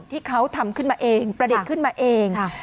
ที่เขาทำขึ้นมาเองประดิษฐ์ขึ้นมาเอง